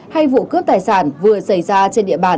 hay vụ cướp tài sản vừa xảy ra trên địa bàn